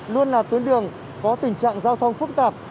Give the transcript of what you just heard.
luôn là tuyến đường có tình trạng giao thông phức tạp